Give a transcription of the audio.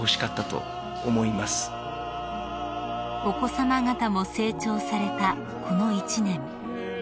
［お子さま方も成長されたこの一年］